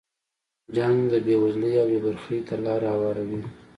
جنګ د بې وزلۍ او بې برخې ته لاره هواروي.